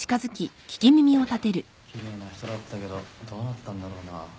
・奇麗な人だったけどどうなったんだろうな？